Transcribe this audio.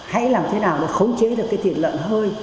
hãy làm thế nào để khống chế được cái thịt lợn hơi